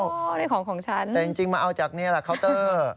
อันนี้ของของฉันแต่จริงมาเอาจากนี่แหละเคาน์เตอร์